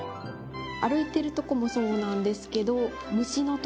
歩いてるとこもそうなんですけど。